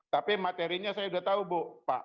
tapi materinya saya sudah tahu bu